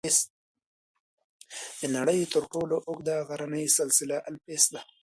د نړۍ تر ټولو اوږده غرني سلسله الپس ده.